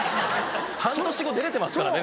半年後出れてますからね。